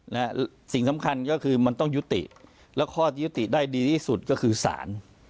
และสิ่งสำคัญก็คือมันต้องยุติแล้วข้อยุติได้ดีที่สุดก็คือสาร